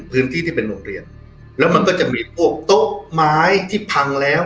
ที่เป็นโรงเรียนแล้วมันก็จะมีพวกโต๊ะไม้ที่พังแล้ว